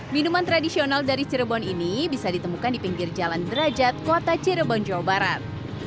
minuman tradisional dari cirebon ini bisa ditemukan di pinggir jalan derajat kota cirebon jawa barat